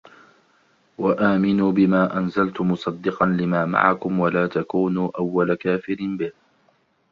وَآمِنُوا بِمَا أَنْزَلْتُ مُصَدِّقًا لِمَا مَعَكُمْ وَلَا تَكُونُوا أَوَّلَ كَافِرٍ بِهِ ۖ